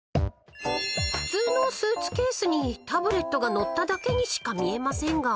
［普通のスーツケースにタブレットがのっただけにしか見えませんが］